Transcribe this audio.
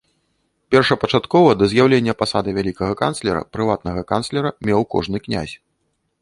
Першапачаткова, да з'яўлення пасады вялікага канцлера, прыватнага канцлера меў кожны князь.